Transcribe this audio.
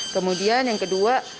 kemudian yang kedua